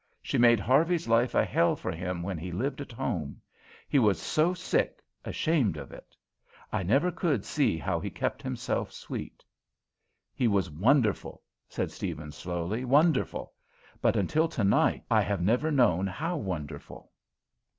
She made Harvey's life a hell for him when he lived at home; he was so sick ashamed of it. I never could see how he kept himself sweet." "He was wonderful," said Steavens slowly, "wonderful; but until tonight I have never known how wonderful."